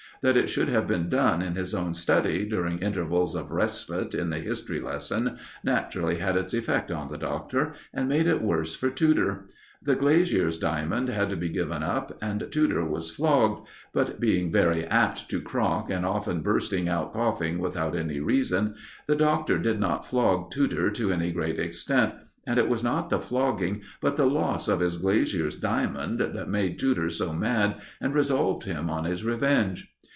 That it should have been done in his own study, during intervals of respite in the history lesson, naturally had its effect on the Doctor, and made it worse for Tudor. The glazier's diamond had to be given up, and Tudor was flogged; but being very apt to crock and often bursting out coughing without any reason, the Doctor did not flog Tudor to any great extent; and it was not the flogging, but the loss of his glazier's diamond that made Tudor so mad and resolved him on his revenge.